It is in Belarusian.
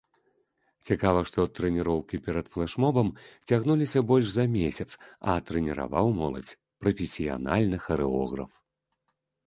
Цікава, што трэніроўкі перад флэшмобам цягнуліся больш за месяц, а трэніраваў моладзь прафесіянальны харэограф.